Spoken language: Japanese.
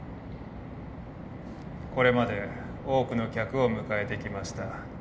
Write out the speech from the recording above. これまで多くの客を迎えてきました。